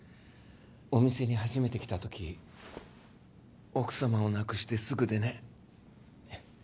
お店に初めて来たとき奥さまを亡くしてすぐでね。